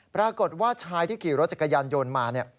ปรากฏว่าชายที่ขี่รถจักรยานยนต์มาเนี่ย